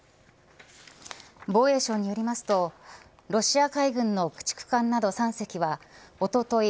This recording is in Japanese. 防衛省によりますとロシア海軍の駆逐艦など３隻はおととい